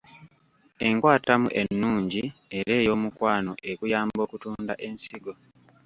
Enkwatamu ennungi era eyomukwano ekuyamba okutunda ensigo.